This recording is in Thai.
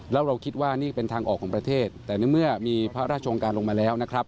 แล้วเราคิดว่านี่เป็นทางออกของประเทศแต่ในเมื่อมีพระราชองค์การลงมาแล้วนะครับ